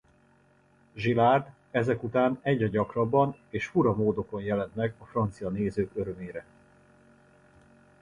Gaillard ezek után egyre gyakrabban és fura módokon jelent meg a francia nézők örömére.